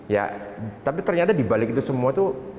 ya tapi ternyata dibalik itu semua tuh